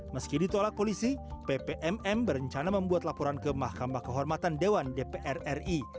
meski ditolak polisi ppmm berencana membuat laporan ke mahkamah kehormatan dewan dpr ri